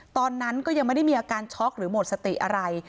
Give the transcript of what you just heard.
ตอนนั้นก็ยังไม่ได้มีอาการช็อกหรือหมดสติอะไร